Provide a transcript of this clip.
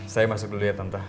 saya masuk dulu ya tante